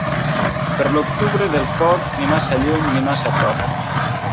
Per l'octubre, del foc, ni massa lluny ni massa prop.